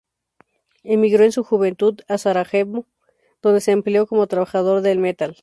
Emigró en su juventud a Sarajevo, donde se empleó como trabajador del metal.